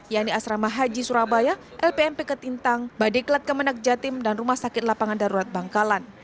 yaitu asrama haji surabaya lpmp ketintang badiklat kemenak jatim dan rumah sakit lapangan darurat bangkalan